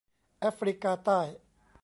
แอฟริกาใต้